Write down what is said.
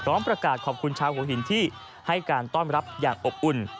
ประกาศขอบคุณชาวหัวหินที่ให้การต้อนรับอย่างอบอุ่น